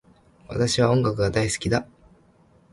私は音楽が大好きだ